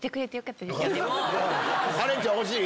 カレンちゃんおいしい？